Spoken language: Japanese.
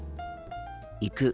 行く。